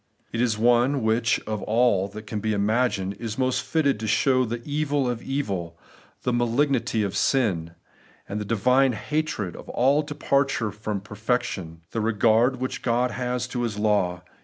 It is one which, of all that can be imagined, is most fitted to show the evil of evil, the malignity of sin, the divine hatred of all departure from perfection, the regard which Ood has to His law.